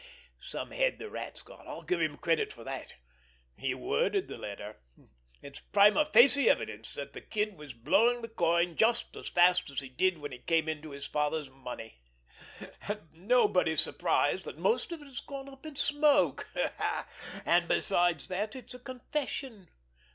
Some head the Rat's got, I'll give him credit for that—he worded the letter. It's prima facie evidence that the kid was blowing the coin just as fast as he did when he came into his father's money—and nobody's surprised that most of it has gone up in smoke. And, besides that, it's a confession.